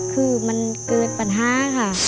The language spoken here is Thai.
คือมันเกิดปัญหาค่ะ